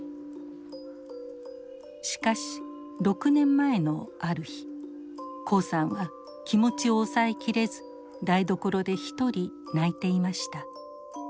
しかし６年前のある日黄さんは気持ちを抑えきれず台所で一人泣いていました。